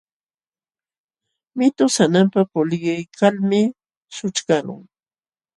Mitu sananpa puliykalmi sućhkaqlun.